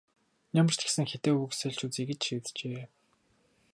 Ямар ч гэсэн хэдэн үг сольж үзье гэж шийджээ.